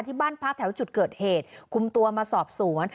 บ้านพักแถวจุดเกิดเหตุคุมตัวมาสอบสวน